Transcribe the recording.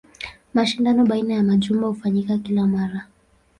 Mashindano baina ya majumba hufanyika kila mara.